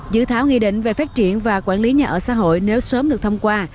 dự thảo nghị định về phát triển và quản lý nhà ở xã hội nếu sớm được thông qua